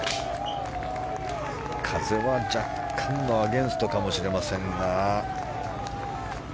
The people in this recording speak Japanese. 風は若干のアゲンストかもしれませんが。